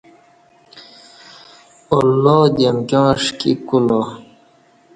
اللہ دی امکیاں ݜکیک کولا